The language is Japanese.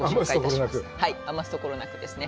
余すところなくですね。